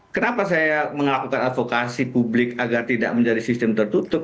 kenapa saya melakukan advokasi publik agar tidak menjadi sistem tertutup